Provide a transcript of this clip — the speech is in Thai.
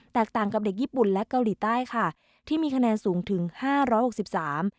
ต่างกับเด็กญี่ปุ่นและเกาหลีใต้ค่ะที่มีคะแนนสูงถึงห้าร้อยหกสิบสาม